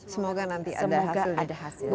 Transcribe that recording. semoga nanti ada hasilnya